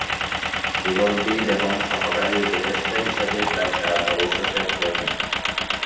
ভূগোলবিদ এবং সরকারী উপদেষ্টা হিসাবে তাঁর কাজ অবশ্য শেষ হয়নি।